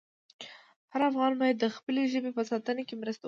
هر افغان باید د خپلې ژبې په ساتنه کې مرسته وکړي.